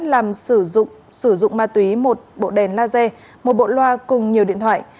làm sử dụng ma túy một bộ đèn laser một bộ loa cùng nhiều điện thoại